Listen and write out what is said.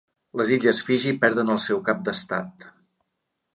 Les illes Fiji perden el seu cap d'estat.